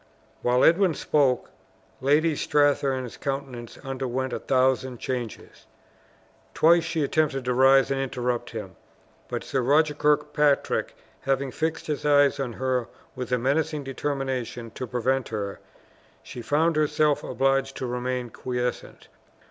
While Edwin spoke, Lady Stathearn's countenance underwent a thousand changes. Twice she attempted to rise and interrupt him, but Sir Roger Kirkpatrick having fixed his eyes on her with a menacing determination to prevent her, she found herself obliged to remain quiescent.